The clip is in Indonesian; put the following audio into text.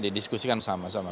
di diskusikan sama sama